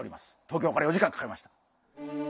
東京から４時間かかりました。